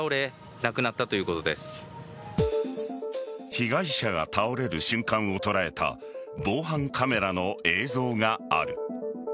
被害者が倒れる瞬間を捉えた防犯カメラの映像がある。